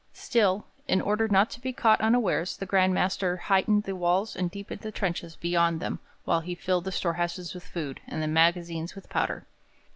Still, in order not to be caught unawares, the Grand Master heightened the walls and deepened the trenches beyond them while he filled the storehouses with food, and the magazines with powder.